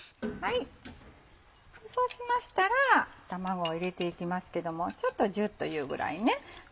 そうしましたら卵を入れていきますけどもちょっとジュっというぐらいね。